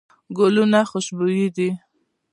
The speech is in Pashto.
ګلونه خوشبوي دي.